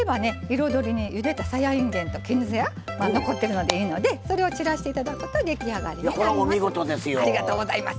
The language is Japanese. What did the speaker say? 彩りにゆでたさやいんげんと絹さや残ってるのでいいのでそれを散らして頂くと出来上がりになります。